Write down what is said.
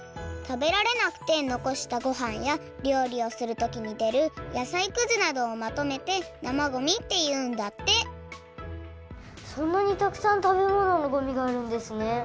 食べられなくてのこしたごはんやりょうりをするときにでるやさいくずなどをまとめて生ごみっていうんだってそんなにたくさん食べ物のごみがあるんですね。